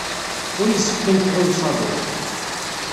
Ur yessefk ad neffeɣ i usaḍuf.